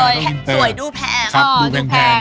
ต้องเป็นอินเตอร์เลยดูแพงแพง